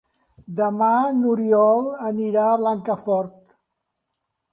Demà n'Oriol anirà a Blancafort.